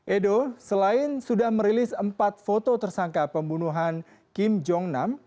edo selain sudah merilis empat foto tersangka pembunuhan kim jong nam